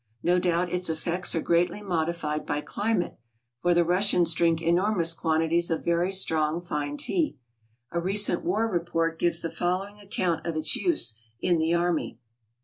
No doubt its effects are greatly modified by climate, for the Russians drink enormous quantities of very strong, fine tea. A recent war report gives the following account of its use in the army.